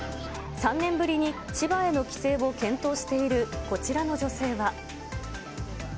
３年ぶりに千葉への帰省を検討しているこちらの女性は。